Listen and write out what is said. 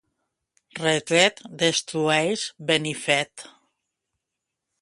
Retret destrueix benifet.